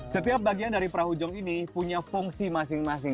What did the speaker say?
setiap bagian dari perahu jong ini punya fungsi masing masing